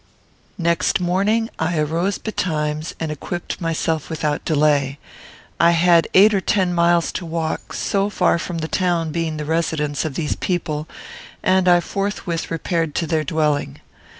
Next morning I arose betimes, and equipped myself without delay. I had eight or ten miles to walk, so far from the town being the residence of these people; and I forthwith repaired to their dwelling.